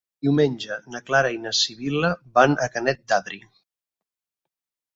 Diumenge na Clara i na Sibil·la van a Canet d'Adri.